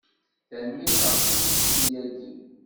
Tanemmirt ɣef usteqsi-agi.